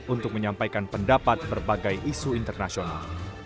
untuk menyampaikan pendapat berbagai isu internasional